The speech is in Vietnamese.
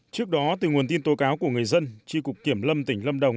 trước đó từ nguồn tin tố cáo của người dân tri cục kiểm lâm tỉnh lâm đồng